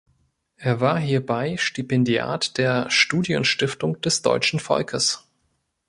Er war hierbei Stipendiat der Studienstiftung des Deutschen Volkes.